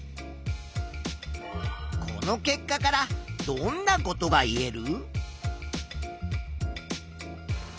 この結果からどんなことが言える？